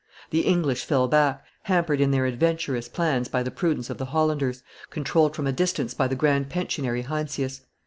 The English fell back, hampered in their adventurous plans by the prudence of the Hollanders, controlled from a distance by the grand pensionary Heinsius.